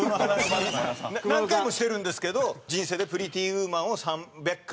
何回もしてるんですけど人生で『プリティ・ウーマン』を３００回。